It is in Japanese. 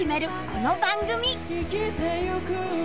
この番組